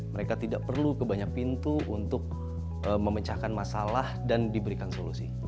mereka tidak perlu kebanyak pintu untuk memecahkan masalah dan diberikan solusi